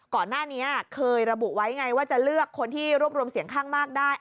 ก่อนหน้านี้เคยระบุไว้ไงว่าจะเลือกคนที่รวบรวมเสียงข้างมากได้